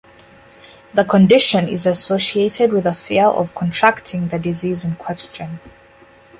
The condition is associated with the fear of contracting the disease in question.